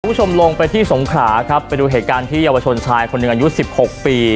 คุณผู้ชมลงไปที่สงขราครับไปดูเหตุการณ์ที่เยาวชนชายคนหนึ่งอายุสิบหกปี